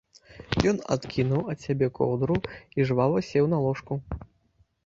Ён адкінуў ад сябе коўдру і жвава сеў на ложку.